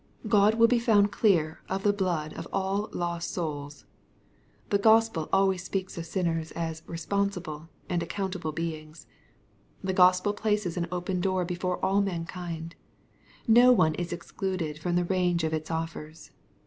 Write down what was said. God will be found clear of the blood of all lost souls. The Gospel alWays speaks of sinners as responsible and accountable beings. The Gospel places an open door before all mankind. No one is excluded from the range of its offers.